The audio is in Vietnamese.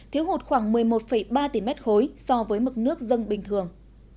thiếu hụt khoảng một mươi một ba tỉ m ba so với mực nước dân bình thường